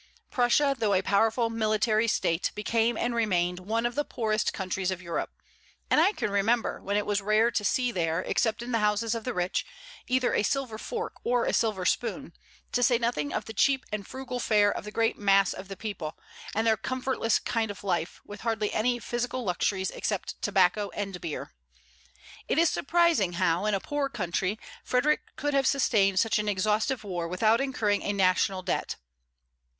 Prussia, though a powerful military state, became and remained one of the poorest countries of Europe; and I can remember when it was rare to see there, except in the houses of the rich, either a silver fork or a silver spoon; to say nothing of the cheap and frugal fare of the great mass of the people, and their comfortless kind of life, with hardly any physical luxuries except tobacco and beer. It is surprising how, in a poor country, Frederic could have sustained such an exhaustive war without incurring a national debt.